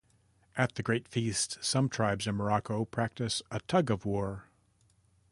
At the Great Feast, some tribes in Morocco practice a tug-of-war.